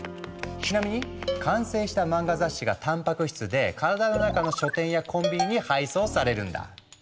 ちなみに完成した漫画雑誌がたんぱく質で体の中の書店やコンビニに配送されるんだ。